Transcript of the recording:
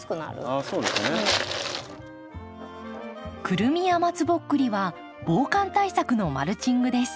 クルミや松ぼっくりは防寒対策のマルチングです。